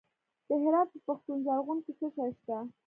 د هرات په پشتون زرغون کې څه شی شته؟